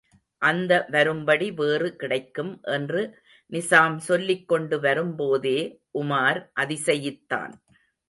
அந்த வரும்படி வேறு கிடைக்கும் என்று நிசாம் சொல்லிக்கொண்டு வரும்போதே உமார் அதிசயித்தான்.